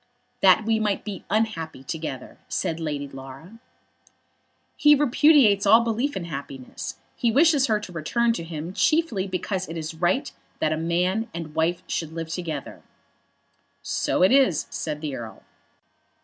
"That we might be unhappy together," said Lady Laura. "He repudiates all belief in happiness. He wishes her to return to him chiefly because it is right that a man and wife should live together." "So it is," said the Earl.